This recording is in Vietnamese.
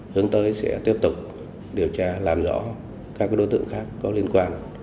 hướng tới sẽ tiếp tục điều tra làm rõ các đối tượng khác có liên quan